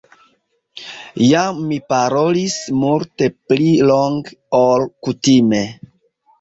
Jam mi parolis multe pli longe, ol kutime.